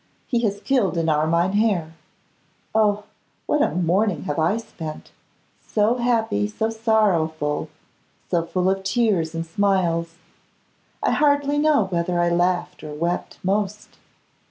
He has killed an Armine hare! Oh! what a morning have I spent; so happy, so sorrowful, so full of tears and smiles! I hardly know whether I laughed or wept most.